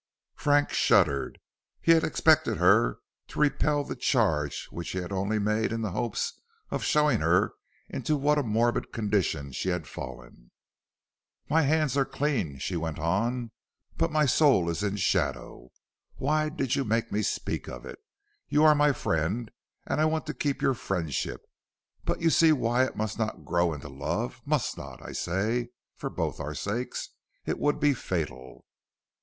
Frank shuddered; he had expected her to repel the charge which he had only made in the hopes of showing her into what a morbid condition she had fallen. "My hands are clean," she went on, "but my soul is in shadow. Why did you make me speak of it? You are my friend and I want to keep your friendship, but you see why it must not grow into love; must not I say, for both our sakes. It would be fatal."